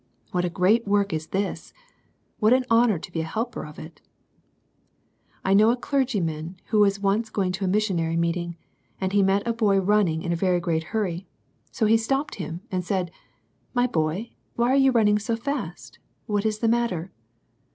What a great work is this ! What an honour to be a helper of it I I know a clergyman who was once going to a missionary meeting, and he met a boy running in a very great hurry. So he stopped him, and said, " My boy, why are you running so fast ? What is the matter